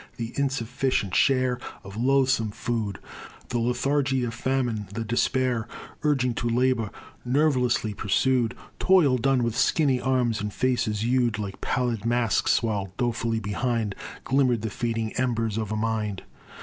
The insufficient share Of loathsome food, The lethargy of famine, the despair Urging to labor, nervelessly pursued, Toil done with skinny arms, and faces hued Like pallid masks, while dolefully behind Glimmer'd the fading embers of a mind!